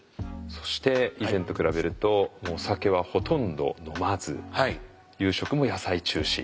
そして以前と比べるとお酒はほとんど飲まず夕食も野菜中心。